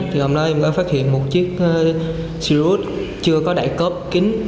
hôm nay em đã phát hiện một chiếc xe rút chưa có đại cốp kín